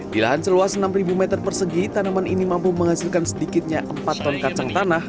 di lahan seluas enam meter persegi tanaman ini mampu menghasilkan sedikitnya empat ton kacang tanah